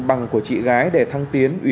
bằng của chị gái để thăng tiến